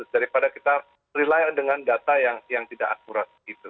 daripada kita rely dengan data yang tidak akurat